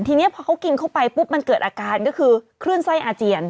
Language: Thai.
ทีนี้พอเขากินเข้าไปปุ๊บมันเกิดอาการก็คือคลื่นไส้อาเจียน